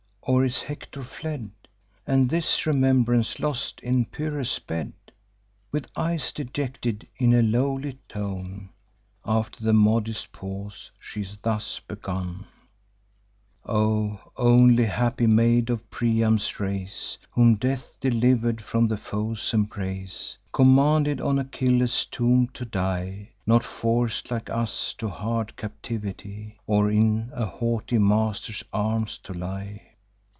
or is Hector fled, And his remembrance lost in Pyrrhus' bed?' With eyes dejected, in a lowly tone, After a modest pause she thus begun: "'O only happy maid of Priam's race, Whom death deliver'd from the foes' embrace! Commanded on Achilles' tomb to die, Not forc'd, like us, to hard captivity, Or in a haughty master's arms to lie.